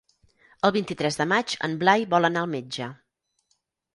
El vint-i-tres de maig en Blai vol anar al metge.